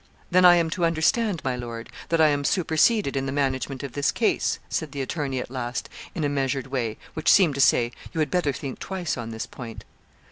'Then I am to understand, my lord, that I am superseded in the management of this case?' said the attorney at last, in a measured way, which seemed to say, 'you had better think twice on this point.'